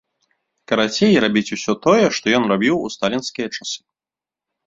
Карацей, рабіць усё тое, што ён рабіў у сталінскія часы.